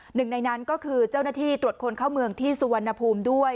หนึ่งในนั้นก็คือเจ้าหน้าที่ตรวจคนเข้าเมืองที่สุวรรณภูมิด้วย